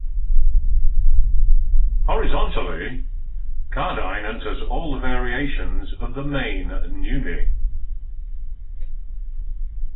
Horizontally, Cardine enters all the variations of the main neume.